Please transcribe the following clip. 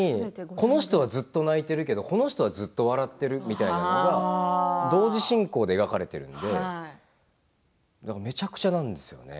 この人はずっと泣いてるけどこの人はずっと笑っているというのが同時進行で描かれているのでめちゃくちゃなんですよね。